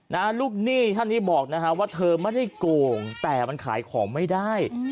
ลูกหนี้ท่านนี้บอกนะฮะว่าเธอไม่ได้โกงแต่มันขายของไม่ได้